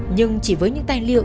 nhưng chỉ với những tài liệu